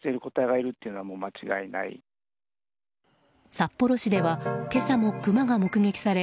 札幌市では今朝もクマが目撃され